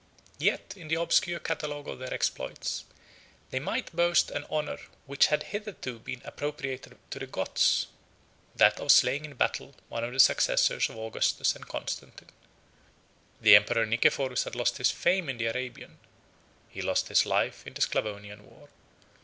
Yet in the obscure catalogue of their exploits, they might boast an honor which had hitherto been appropriated to the Goths: that of slaying in battle one of the successors of Augustus and Constantine. The emperor Nicephorus had lost his fame in the Arabian, he lost his life in the Sclavonian, war.